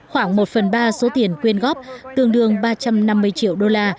khoảng một phần ba số tiền quyên góp tương đương ba trăm năm mươi triệu đô la